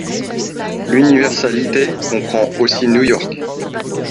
L’universalité comprend aussi New York